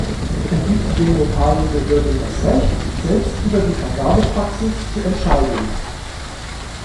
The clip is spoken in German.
Er gibt den lokalen Behörden das Recht, selbst über die Vergabepraxis zu entscheiden.